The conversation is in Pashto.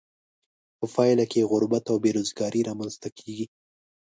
په پایله کې یې غربت او بې روزګاري را مینځ ته کیږي.